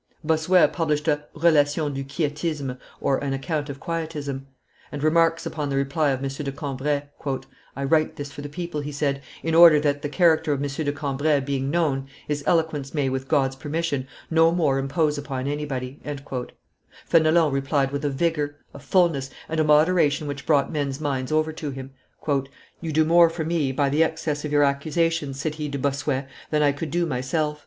Bossuet published a Relation du Quietisme (An Account of Quietism), and remarks upon the reply of M. de Cambrai. "I write this for the people," he said, "in order that, the character of M. de Cambrai being known, his eloquence may, with God's permission, no more impose upon anybody." Fenelon replied with a vigor, a fullness, and a moderation which brought men's minds over to him. "You do more for me by the excess of your accusations," said he to Bossuet, "than I could do myself.